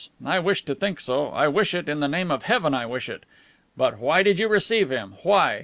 I wish to think so. I wish it, in the name of Heaven I wish it. But why did you receive him? Why?